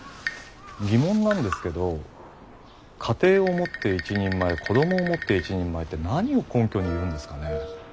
疑問なんですけど家庭を持って一人前子どもを持って一人前って何を根拠に言うんですかね？